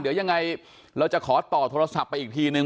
เดี๋ยวยังไงเราจะขอต่อโทรศัพท์ไปอีกทีนึง